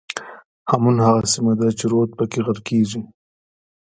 هامون هغه سیمه ده چې رود پکې غرقېږي.